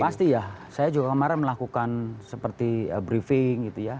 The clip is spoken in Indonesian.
pasti ya saya juga kemarin melakukan seperti briefing gitu ya